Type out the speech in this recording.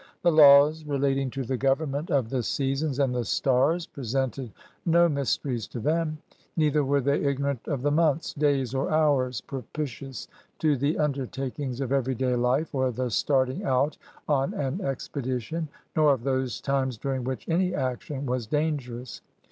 The laws relat ing to the government of the seasons and the stars pre sented no mysteries to them, neither were they ignorant of the months, days, or hours propitious to the under takings of everyday Uf e or the starting out on an expedi tion, nor of those times during which any action was dangerous.